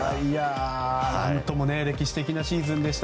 何とも歴史的なシーズンでした。